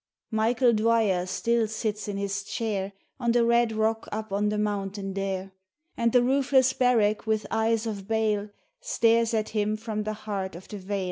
" Michael Dwyer still sits in his chair On the red rock up on the mountain there, And the roofless barrack with eyes of bale Stares at him from the heart of the vale.